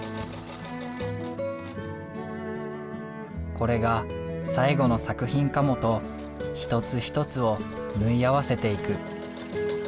これが最後の作品かもと一つ一つを縫い合わせていく。